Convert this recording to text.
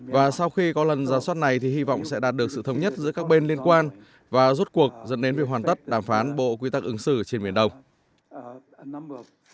và sau khi có lần giả soát này thì hy vọng sẽ đạt được sự thống nhất giữa các bên liên quan và rút cuộc dẫn đến việc hoàn tất đàm phán bộ quy tắc ứng xử trên biển đông